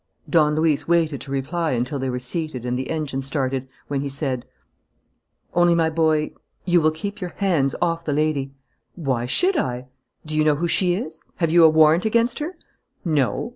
Don Luis waited to reply until they were seated and the engine started, when he said: "Only, my boy, you will keep your hands off the lady." "Why should I?" "Do you know who she is? Have you a warrant against her?" "No."